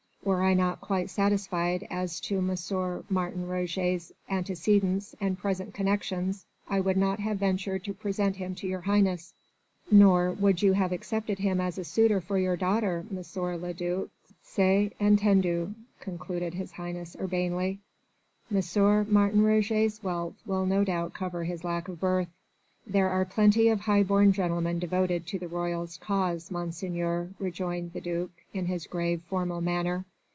Were I not quite satisfied as to M. Martin Roget's antecedents and present connexions I would not have ventured to present him to your Highness." "Nor would you have accepted him as a suitor for your daughter, M. le duc, c'est entendu!" concluded His Highness urbanely. "M. Martin Roget's wealth will no doubt cover his lack of birth." "There are plenty of high born gentlemen devoted to the royalist cause, Monseigneur," rejoined the duc in his grave, formal manner.